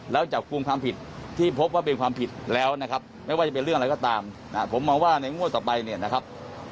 แล้วจับกลุ่มความผิดที่พบว่าเป็นความผิดแล้วนะครับไม่ว่าจะเป็นเรื่องอะไรก็ตามนะผมมองว่าในงวดต่อไปเนี่ยนะครับ